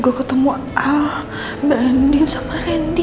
gue ketemu al banding sama rendy